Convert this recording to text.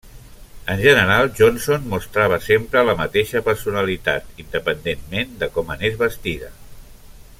En general, Johnson mostrava sempre la mateixa personalitat, independentment de com anés vestida.